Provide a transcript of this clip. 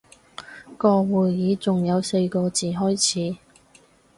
個會議仲有四個字開始